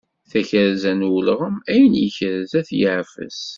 Tayerza n ulɣem, ayen ikrez ad t-yeɛfes.